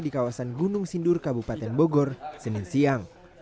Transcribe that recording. di kawasan gunung sindur kabupaten bogor senin siang